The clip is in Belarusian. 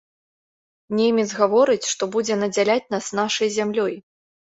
Немец гаворыць, што будзе надзяляць нас нашай зямлёй!